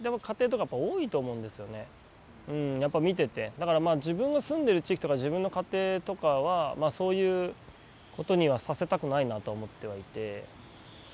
だから自分が住んでる地域とか自分の家庭とかはそういうことにはさせたくないなとは思ってはいて。